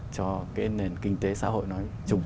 cho cái nền kinh tế xã hội nói chung